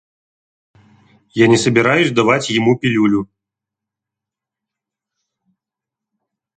Я не собираюсь давать ему пилюлю.